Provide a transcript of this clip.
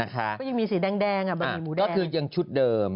ก็ที่จึงชุดเดิม